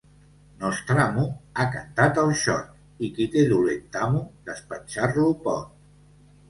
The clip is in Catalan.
Nostramo, ha cantat el xot, i qui té dolent amo despatxar-lo pot.